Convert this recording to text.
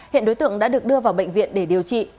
hiện đối tượng đã được đưa vào bệnh viện để điều trị